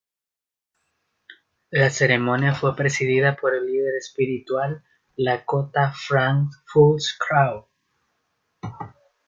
La ceremonia fue presidida por el líder espiritual Lakota Frank Fools Crow.